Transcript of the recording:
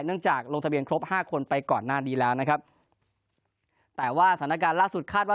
จากลงทะเบียนครบห้าคนไปก่อนหน้านี้แล้วนะครับแต่ว่าสถานการณ์ล่าสุดคาดว่า